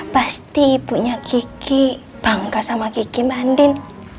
pasti ibunya kiki bangga sama kiki mbak andin